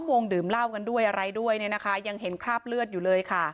กลัวจึ่งคลื่นเตรียมเล่ากันด้วยอะไรด้วยนะคะยังเห็นคราบเลือดอยู่เลยค่ะ